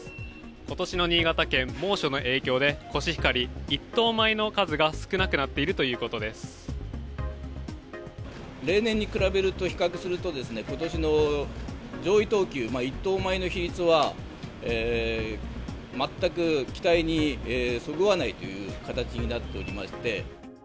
ことしの新潟県、猛暑の影響でコシヒカリ１等米の数が少なくなっているということ例年に比べると、比較するとですね、ことしの上位等級、１等米の比率は、全く期待にそぐわないという形になっておりまして。